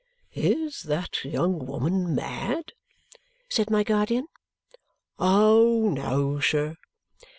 "Is that young woman mad?" said my guardian. "Oh, no, sir!"